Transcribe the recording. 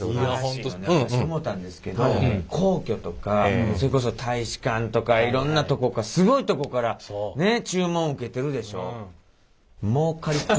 私思うたんですけど皇居とかそれこそ大使館とかいろんなすごいとこからね注文受けてるでしょう？